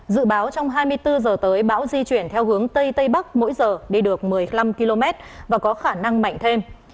dự báo trong hai mươi bốn h tới bão di chuyển theo hướng tây tây bắc mỗi giờ đi được một mươi năm km và có khả năng mạnh thêm